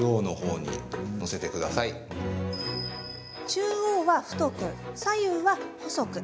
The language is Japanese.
中央は太く、左右は細く。